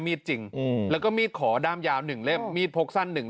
จริงอืมแล้วก็มีดขอด้ามยาวหนึ่งเล่มมีดพกสั้นหนึ่ง